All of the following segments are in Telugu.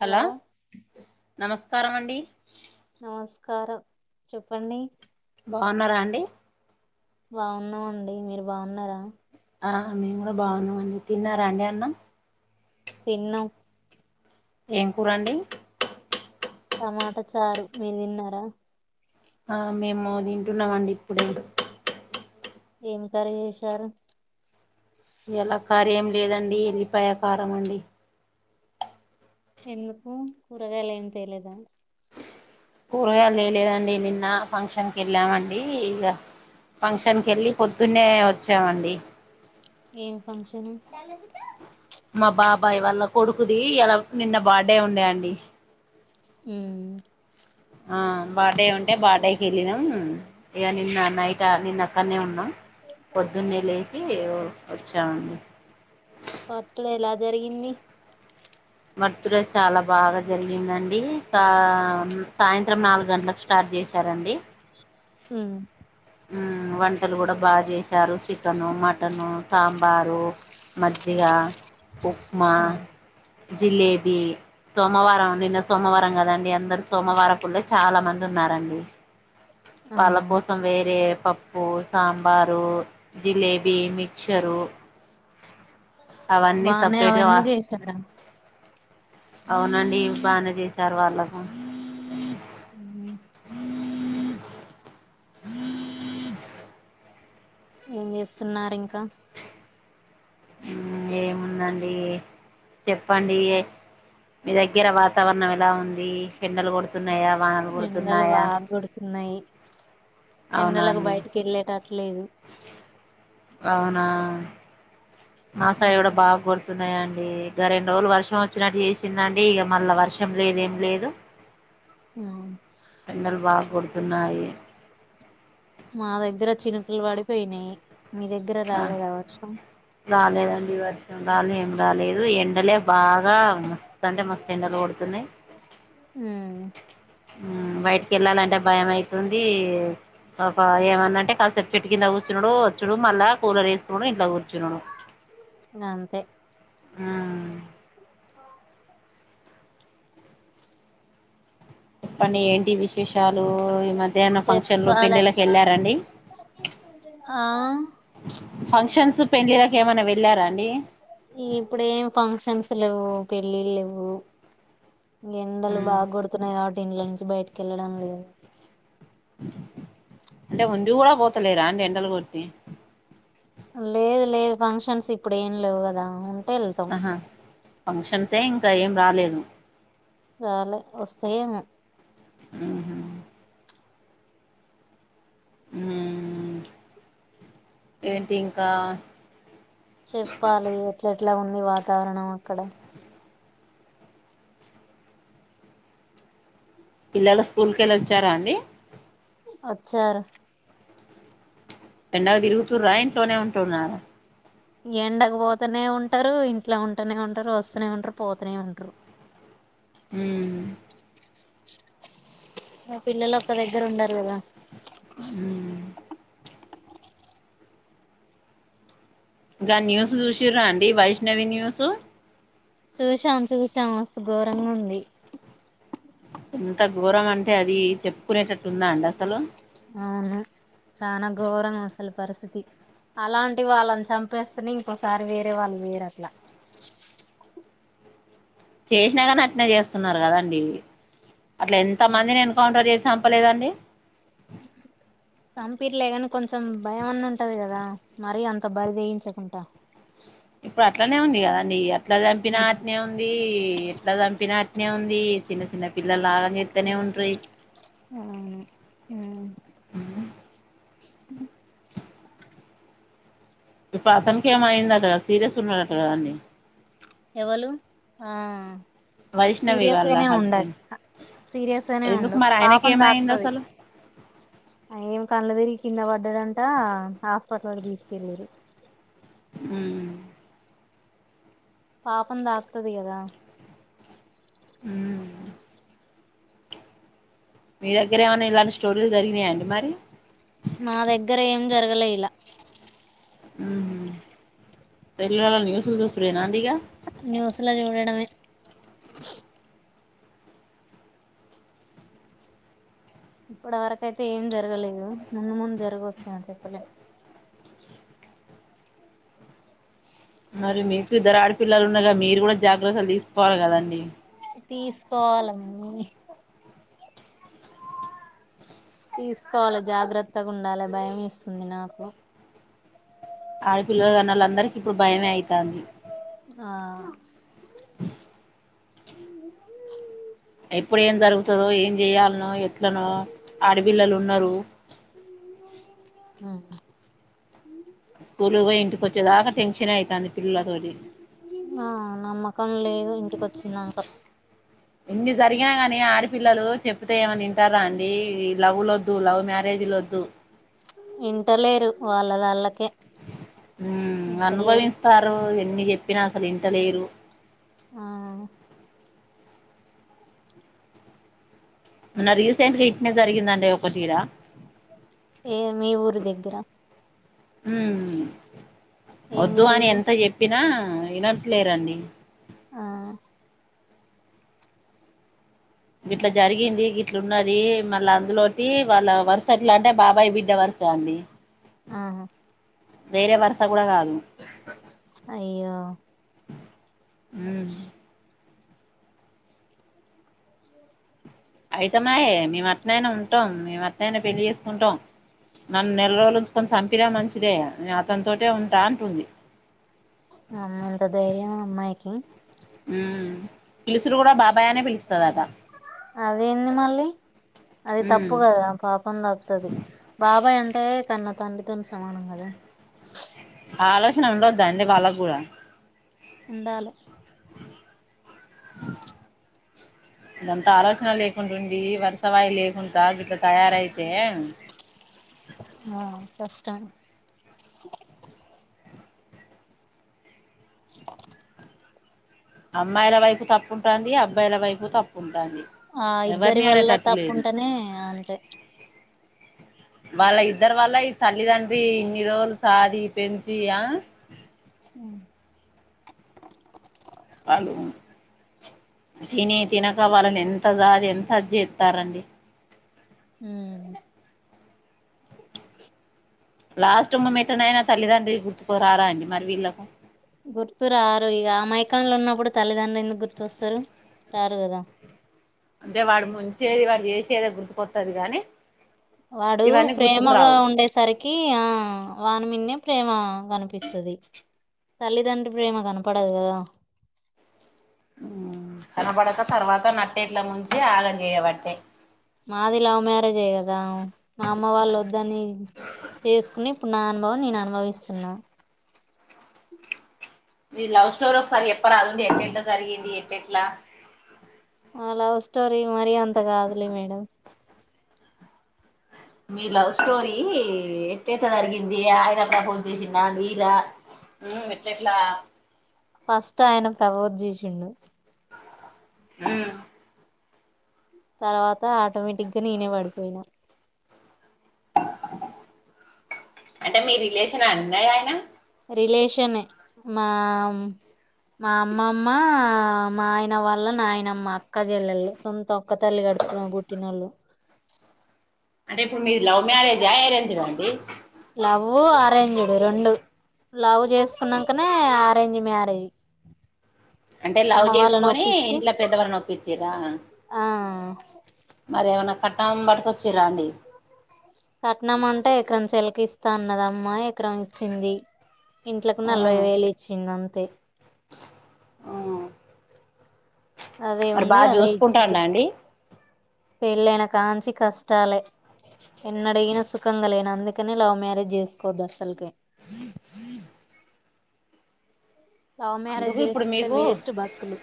హలో నమస్ స్కారమండి. నమస్కారం చెప్పండి. బాగున్నారా అండి. బాగున్నామండి. మీరు బాగున్నారా! ఆ మేము కూడా బాగున్నామండి తిన్నారా అండి అన్నం తిన్నాం ఏం కూరండి. టమాటా చారు మీరు తిన్నారా. ఆ మేము తింటున్నామండి ఇప్పుడు ఏం కర్రీ చేేశారు ఎలా కార్యం లేదండి ఎల్లిపాయ కారం తమండి ఎందుకు కూరగాయలు ఏం తెలేదా కూరగాయ తేలేదండి నిన్న ఫంక్షన్ కి వెళ్ళామండి ఇక ఫంక్షన్ కెళ్ళి పొద్దునే వచ్చామండి ఏం ఫంక్షన్ మా బాబాయ్ వాల్ల కొడుకుది ఇలా నిన్న బర్డే ఉండే అండి హ్మ్మ్ బర్డే ఉంటే బర్త్డేకి వెళ్ళినాం ఇక నిన్న నైట్ నిన్న అక్కనే ఉన్నాం పొద్దున్నే లేేసి వచ్చాంఅండి బర్త్డే ఎలా జరిగింది బర్త్డే చాలా బాగా జరిగిందండి ఇంకా సాయంత్రం నాలుగు గంటలకు స్టార్ట్ చేశారండి హ్మ్మ్ ఉ వంటలు కూడా బాగా చేశారు చి చికెను, మటను సా పారు మజ్జిగ ఉప్మా జిలేబీ సోమవారం నిన్న సోమవారం కదండి అందరు సోమవార పుల్ల చాలా మంది ఉన్నారండి ఆ వాళ్ళ కోసం వే టే పప్పు, సాంబారు, జిలేబీ, మిచ్చరు బానే అవన్నీ చేసాను అవునండి ఏ బానే చేసారు వాళ్ళకు హ ఏం చేస్తున్నారు ఇంకా ఆ ఏముందండి చెప్పండి మీ దగ్గర వాతావరణం ఎలా ఉంది ఎండలు కొడుతున్నాయా వానలు ఎండలు కొడుతున్నాయా బాగా కొడుతున్నాయి అవునాండి ట్లేదు అవునా మా సైడు ఆహా బాగ కొడు న్నాయండి ఇక రెండు రోజులు వర్షం వచ్చినట్టు చేసిందండి ఇక మళ్ళా వర్షం లేదు ఏం లేదు ఉమ్ ఎండలు బాగా కొడుతున్నాయి మా దగ్గర చినుకులు పడి పోయినాయి ఆ రాలేదండి వర్షం రలు ఏం రాలేదు ఎండలే బాగా మస్ తంటే మస్తు ఎంలో కొడుతున్నాయి ఉమ్ ఉ బయటికి వెళ్ళాలంటే భయం అయితుంది ఏమందంటే కాసేపు చెట్టు కింద కూర్చున్నాడు మళ్ళా కూలర్ ఏసుకుడు కూర్చుడు గంతే ఆ పని ఏంటి విశేషం సాలు ఈ మధ్యాన ఫంక్షన్లు చెప్పాలే పెళ్లిలకు వెళ్ళారండి ఆ ఫంక్షన్స్ పెళ్లిలకు ఈ ఇప్పుడు ఏం ఫంక్షన్స్ లేవు పెళ్లిళ్లు లేవు ఎండలు బాగు కొడుతున్నాయి ఇంటి నుంచి బయటికి వెళ్ళడం లేదు అంటే ఉందు కూడా పోతలేరా అంట ఎండలు కొడితే లేదు లేదు ఫంక్షన్స్ ఇప్పుడు ఏం లేవు కదా ఉ వెళ్తాం ఆహా ఫంక్షన్సే ఇంకా ఏం రాలేదు రాలే ఒస్తయేమో ఊమ్ ఏంటి ఇంకా చెప్పాలి ఎట్లా ఎట్ల ఉ వాతావర్ణం అక్కడ పిల్లలు స్కూల్ కెలోచ్చారా అండి ఒచ్చారు ఎండల తిరుగుతు రా ఇంట్లోనే ఉంటుర ఎండకపోతనే ఉంటరు ఇంట్ల ఉంటనే ఉంటరు ఒస్తనే ఉంట్రు పోతనే ఉంట్రు ఉమ్ మా పిల్లలోక్క దగ్గర ఉండరు గదా ఉమ్ గా న్యూస్ చూశిర్ర అండి వైష్ణవి న్యూసు చూశాం చూశాం మస్తు ఘోరంగుంది ఎంత ఘోరం అంటే అది చెప్పుకునేటట్టుందా అండి అసలు ఔను చనా ఘోరం అసలు పరిస్థితి అలాంటి వాళ్ళన్ చంపేస్తేనే ఇంకోసారి వేరే వాళ్ళు చేయరట్ల చేశ్నా గనీ అట్నే జేస్తున్నారు కదాండి అట్ల ఎంత మందిని ఎన్కౌంటర్ జేస్ చంపలేదండీ సంపిర్లేగని కొంచెం భయమన్న ఉంటది గదా మరీ అంత బరిదేగించకుంట ఇప్పుడు అట్లనే ఉంది గద అండి అట్ల చంపినా ఉ అట్లనే ఉందీ ఎట్లా చంపిన అట్లనే ఉంది చిన్న చిన్న పల్లలాగ చెతేనే ఉంట్ ట్రైన్ ఔను ఊ ఊమ్ అ ఇప్పు అతనికి ఏమో అయిందట గ సీరియస్ ఉన్నాడట గదా అండి ఎవలు ఆ వైష్ణవి సీరియస్ వాళ్ళ గనే ఉండది హస్బెండ్ సీరియస్ గనే ఎందుకు ఉండు మరి ఆయనకి పాపం ఏమైంది తాక్తది అసలు అ ఏం కళ్ళదిరిగి కింద పడ్ డంటా హాస్పిటల్ తీసుకెళ్ళిరు ఉ పాపంతాక్తది గదా ఉమ్ మీ దగ్గరేమన్నా ఇలాంటి స్టోరీలు జరిగినాయండి మరి మా దగ్గర ఏం జరగలే ఇల ఉహు తెల్లర న్యూసులు చూసుడే నాండిగ న్యూస్ల జుడడమే ఇప్పడవరకైతే ఏం జరగలేదు ముందు ముందు జరగొచ్చెం చెప్పలేమ్ మరి మీకిద్దరు ఆడపిల్లలు ఉన్నార్గా మీరు గుడా జాగ్రత్తలు తీస్కోవాలి కదండి తీస్కోవాలం తీస్కోవాలె జాగ్రత్తగా ఉండాలే భయం ఎస్తుంది నాకు ఆడపిల్లలు కన్నోళ్ళ అందర్కి ఇప్పుడు భయమే ఐతాంది ఆ ఎప్పుడు ఏం జరుగుతదో ఏం చెయాలనో ఎట్లనో ఆడపిల్లలు ఉన్నారు స్కూల్ పోయి ఇంటికి వచ్చేదాకా టెన్షన్ అయితాంది పిల్లల తోటి ఆ నమ్మకం లేదు ఇంటికి వచ్చినంకా ఇన్ని జరిగినా గాని ఆడపిల్లలు చెప్తే ఏమన వింటారా అండి ఈ లవ్వులు ద్ ద్దు లవ్ మ్యారేజ్ లు వద్దు వాళ్ళదాళ్ళకి ఉమ్ అనుభవిస్తారు ఎన్ని చెప్పినా అసల్ ఇంటలేరు ఆ మొన్న రీసెంట్ గా ఇట్టనె జరిగిందంట ఒకటి ఈడ ఏ మీ ఊరు దగ్గర హుమ్ ఏం వద్దు అని జరిగింది ఎంత చెప్పినా ఆ వినట్లేరండి ఆ గిట్ల జరిగింది గిట్ల ఉన్నది మళ్ళా అందులో టి వాళ్ళ వరుస ఎట్లా అంటే బాబాయి బిడ్డ వరుస అండి ఆహా వేరే వరుస కూడా కాదు అయ్యో మ్ [inaudible] అయితమాయే మేం అట్నైనా ఉంటాం మేం అట్నైనా పెళ్లి చేసుకుంటాం నన్ను నెల రోజులు ఉంచుకొని చంపినా మంచిదే నేను అతనితోటె ఉంటా అంటుంది అమ్మో ఎంత ధైర్యం అమ్మాయికి పిలిసుడు కూడ బాబాయి అని పిల్ అదేంది మళ్ళీ అది ఉమ్ తప్పు కదా పాపం తక్తాది బాబాయ్ అన్ ఏ కన్న తండ్రితో సమానం కదా ఆలోచన ఉండొద్దా అండి వాళ్ళ గూడ ఉండాలే ఇదంతా ఆలోచన లేకుండా ఉండి వరుసవాయి లేకుండా గిట్లా తయారైతే ఆ కష్టం [inaudible] అమ్మాయిల వైపు తప్పు ఉంటాంది అబ్బాయిల వైపు తప్పున్ ఆ ఇద్దరి వల్ల తప్పు ఉంటనే అంతే వాళ్ళ ఇద్దరు వాళ్ళ ఈ తల్లి తండ్రి ఇన్ని రోజులు సాది పెంచి ఆ ఆమ్ వాళ్ళు తిని తినక వాళ్ళని ఎంత జాది ఎంత జేస్తారండి హుమ్ లాస్ట్ మూమెంట్ ట అయిన తల్లిదండ్రి గుర్తుకు రారా అండి మరి వీళ్ళకు గుర్తు రారు ఇగ ఆ మైకాన్ లో ఉన్నప్పుడు తల్లిదండ్రులు ఎందుకు గుర్తుతోస్తారు రారు కదా అంటే వాడు ముంచేది వాడు చేసేదే గుర్తుకొస్తాది గాని వాడు ప్రేమగా ఉండేసరికి ఆ వానిమీన్నే ప్రేమ కనిపిస్తది తల్లిదండ్రి ప్రేమ కనపడదు కదా కనపడక తర్వాత నట్టేట్ల ముంచి ఆగం చేయబట్టే మాది లవ్ మ్యారేజే కదా మా అమ్మ వాళ్ళు వద్దని చేసుకుని ఇప్పుడు నా అనుభవం నేను అనుభవిస్తున్నా ఈ లవ్ స్టోరీ ఒకసారి ఎప్ప రాదుండి ఎట్ ఎట్లలా జరిగింది ఎప్ప ఎట్లా ఆ లవ్ స్టోరీ మరీ అంత కాదులే మేడం మీ లవ్ స్టోరీ ఎట్ట ఎట జరిగింది ఆయన ఫోన్ చేసిండా మీరా ఎట్లా ఫస్ట్ ఆయన ప్రబోద్ చేషిండు హ తర్వాత ఆటోమేటిక్గా నేనే పడిపోయినా అంటే మీ రిలేషన్ అన్నాయా ఆయన రిలేషనే మా మా అమ్మమ్మ మా ఆయన వాళ్ళు నా ఆయనమ్మ అక్క చెల్లెళు సొంత ఒక్క తల్లి గడుపు పుట్టినోళ్ళు అంటే ఇప్పుడు మీరు లవ్ మ్యారేజా అరేంజ్డ్ ఆ అండి లవ్ ఆరెంజ్డు రెండు లవ్ చేసుకున్నాకనే అ అరేంజ్ మ్యారేజ్ అంటే లవ్ అమ్మ వాళ్ళని చేసుకొని ఒప్పించి ఇంట్లో పెద్దవళనిొప్పించిరాా ఆ మరి ఏమైనా కట్నం పట్ కొచ్చిరా అండి కట్నం అంటే ఎకరం చెల్లికి ఇస్తా అన్నద అమ్మా ఎకరం ఇచ్చింది ఇంట్లకు ఆ నలభై వేలు ఇచ్చిందిం త్ అంతే ఆ అదే మరి ఉంది బాగా అదే చూసుకుంటాం ఇచ్చిరు అండి పెళ్ళైన కాంచి కష్టాలే ఎన్న అడిగినా సుఖంగా లేన అందుకని లవ్ మ్యారేజ్ చేసుకోవద్దు అసల్ కి జ జ లవ్ మ్యారేజ్ అందుకు ఇప్పుడు చేసుకుంటే మీకు వేస్ట్ బతుకులు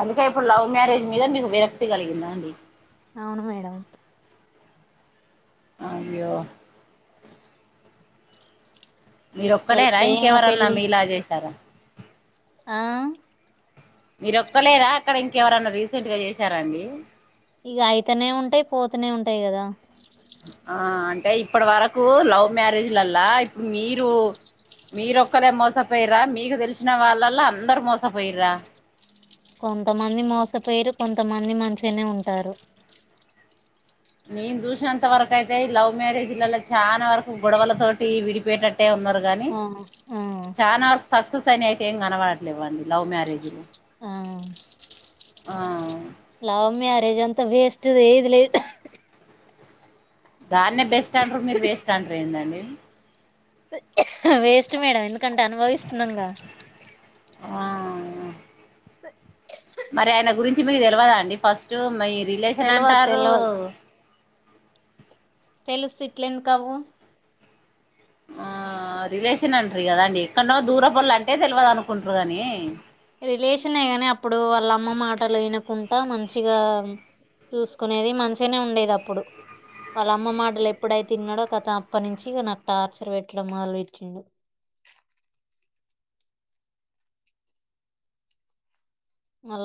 అందుకే ఇప్పుడు లవ్ మ్యారేజ్ మీద మీకు విరక్తి కలిగిందా అండి అవును మేడం అయ్యో మీరు అసలు ఒక్కలేరా ప్రేమ ఇంకెవరన్నా పెళ్ళి మీ ఇలా చేశారా ఆ మీరు ఒక్కలేరా అక్కడ ఇంకెవరన్నా రీసెంట్ గా చేశారండి ఇక అయితనే ఉంటాయి పోతనే ఉంటాయి కదా ఆ అంటే ఇప్పటి వరకు లవ్ మ్యారేజ్లల్లా ఇప్పుడు మీరు మీరొక్కరే మోసపోయిరా మీకు తెలిసిన వాళ్ళలా అందరు మోసపోయిరా కొంతమంది మోసపోయరు కొంతమంది మంచిగానే ఉంటారు నేను చూసినంత వరకు అయితే లవ్ మ్యారేజ్ ల చాలా వరకు గొడవల తోటి విడిపేటట్ ఉన్నారు కానీ ఆ ఆ చాలా వరకు సక్సెస్ అని అయితే ఏం కనడలే అండి లవ్ మ్యారేజ్లు ఆ ఆ లవ్ మ్యారేజ్ అంతా వేస్ట్ది ఇది లేద్ దాన్నే బెస్ట్ అంటరు మీరు వేస్ట్ అంటరు ఏందండి వేస్ట్ మేడం ఎందుకంటే అనుభవిస్తున్నాంగా మరి ఆయన గురించి మీకు తెలియదండి ఫస్ట్ మీ రిలేషన్ తెల్వదు అంటారు తెల్వదు తెలుస్తు ఇట్ల ఎందుకవు ఆ రిలేషన్ అంటారు కదా అండి ఎక్కడనో దూరపళ్ళ అంటే తెలియదు అనుకుంటారు కాగాని రిలేషన్ కాని అప్పుడు వాళ్ళ అమ్మ మాటలు వినకుండా మంచిగా చూసుకునేది మంచిగానే ఉండేది అప్పుడు వాళ్ళ అమ్మ మాటలు ఎప్పుడై తిన్నాడో కథ అప్ప నుంచి నాకు టార్చర్ పెట్టడం వాదలు పెట్టిండు మళా